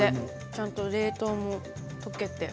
ちゃんと冷凍も溶けて。